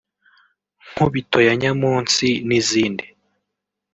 Nkubito ya Nyamunsi n’izindi